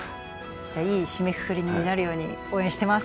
じゃあいい締めくくりになるように応援してます。